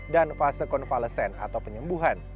dan fase konvalesen atau penyembuhan